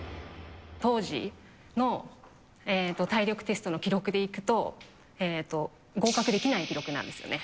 当時の体力テストの記録でいくと、合格できない記録なんですよね。